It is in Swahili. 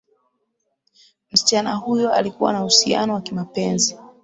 msichana huyo alikuwa na uhusiano wa kimapenzi